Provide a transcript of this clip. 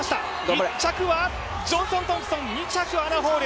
１着はジョンソン・トンプソン、２着はアナ・ホール。